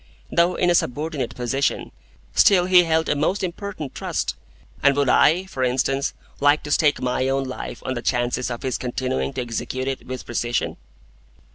Though in a subordinate position, still he held a most important trust, and would I (for instance) like to stake my own life on the chances of his continuing to execute it with precision?